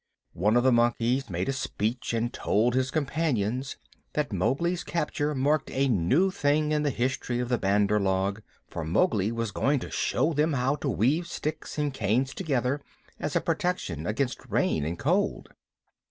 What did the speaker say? One of the monkeys made a speech and told his companions that Mowgli's capture marked a new thing in the history of the Bandar log, for Mowgli was going to show them how to weave sticks and canes together as a protection against rain and cold.